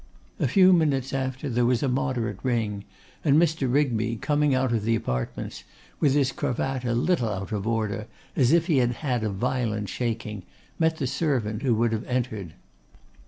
A few minutes after there was a moderate ring, and Mr. Rigby, coming out of the apartments, with his cravat a little out of order, as if he had had a violent shaking, met the servant who would have entered.